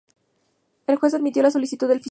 El juez admitió la solicitud del fiscal.